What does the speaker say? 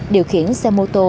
điều khiển xe mô tô